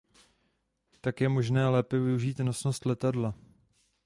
Tak je možné lépe využít nosnost letadla.